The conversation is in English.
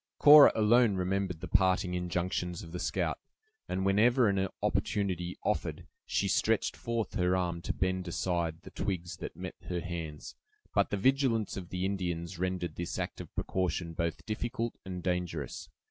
Cora alone remembered the parting injunctions of the scout, and whenever an opportunity offered, she stretched forth her arm to bend aside the twigs that met her hands. But the vigilance of the Indians rendered this act of precaution both difficult and dangerous.